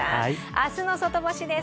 明日の外干しです。